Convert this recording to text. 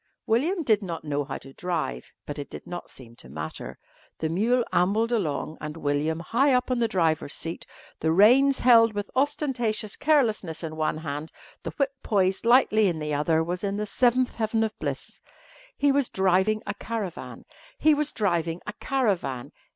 William did not know how to drive, but it did not seem to matter. The mule ambled along and William, high up on the driver's seat, the reins held with ostentatious carelessness in one hand, the whip poised lightly in the other was in the seventh heaven of bliss. He was driving a caravan. He was driving a caravan.